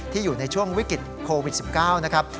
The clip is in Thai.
อยู่ในช่วงวิกฤตโควิด๑๙นะครับ